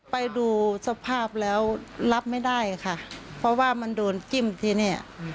ไปดูสภาพแล้วรับไม่ได้ค่ะเพราะว่ามันโดนจิ้มที่เนี่ย